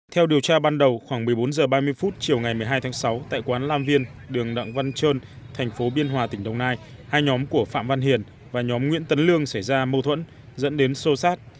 theo điều tra ban đầu khoảng một mươi bốn h ba mươi chiều ngày một mươi hai tháng sáu tại quán lam viên đường đặng văn trơn thành phố biên hòa tỉnh đồng nai hai nhóm của phạm văn hiền và nhóm nguyễn tấn lương xảy ra mâu thuẫn dẫn đến sô sát